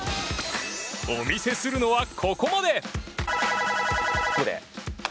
お見せするのは、ここまで。